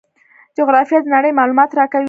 جغرافیه د نړۍ معلومات راکوي.